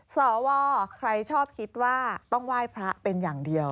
สวใครชอบคิดว่าต้องไหว้พระเป็นอย่างเดียว